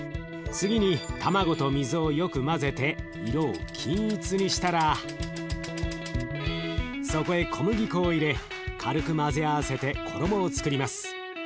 次に卵と水をよく混ぜて色を均一にしたらそこへ小麦粉を入れ軽く混ぜ合わせて衣をつくります。